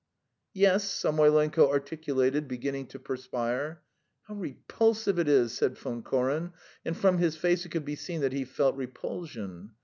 "Yes," Samoylenko articulated, beginning to perspire. "How repulsive it is!" said Von Koren, and from his face it could be seen that he felt repulsion.